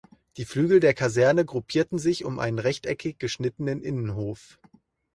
Die Flügel der Kaserne gruppierten sich um einen rechteckig geschnittenen Innenhof.